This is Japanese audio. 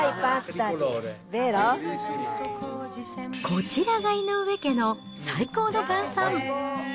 こちらが井上家の最高の晩さん。